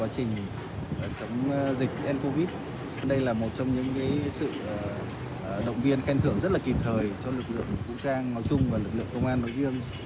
sẽ chẳng thể thành công